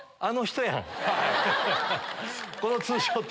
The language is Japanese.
このツーショット。